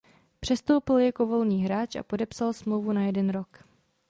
Přestoupil jako volný hráč a podepsal smlouvu na jeden rok.